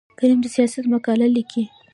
قلم د سیاست مقاله لیکي